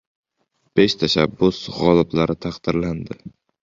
Besh tashabbus g‘oliblari taqdirlandi